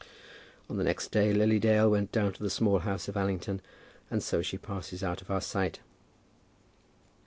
On the next day Lily Dale went down to the Small House of Allington, and so she passes out of our sight.